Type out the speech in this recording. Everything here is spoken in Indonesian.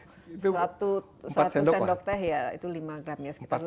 satu sendok teh ya itu lima gram ya sekitar lima